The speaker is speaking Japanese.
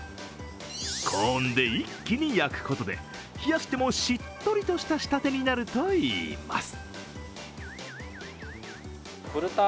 高温で一気に焼くことで冷やしてもしっとりした仕立てになるといいます。